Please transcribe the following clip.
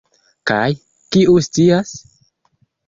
Kaj, kiu scias?